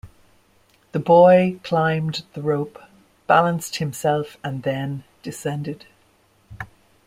The boy climbed the rope, balanced himself and then descended.